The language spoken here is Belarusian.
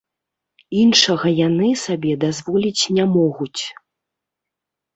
Іншага яны сабе дазволіць не могуць.